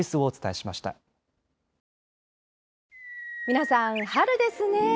皆さん春ですね。